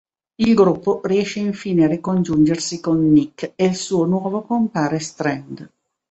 Il gruppo riesce infine a ricongiungersi con Nick e il suo nuovo compare Strand.